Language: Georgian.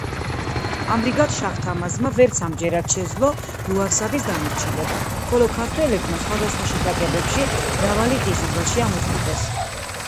ამრიგად, შაჰ-თამაზმა ვერც ამჯერად შეძლო ლუარსაბის დამორჩილება, ხოლო ქართველებმა სხვადასხვა შეტაკებებში მრავალი ყიზილბაში ამოწყვიტეს.